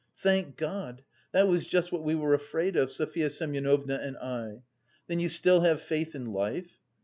"Thank God! That was just what we were afraid of, Sofya Semyonovna and I. Then you still have faith in life?